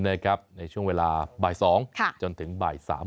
ในช่วงเวลา๒บจนถึง๓บ